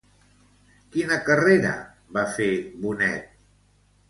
Quina carrera va fer Bonet?